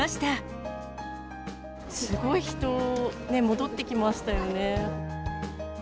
すごい人ね、戻ってきました